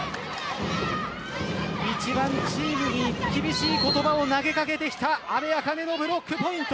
一番、チームに厳しい言葉を投げかけてきた阿部明音のブロックポイント。